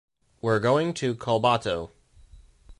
We’re going to Collbató.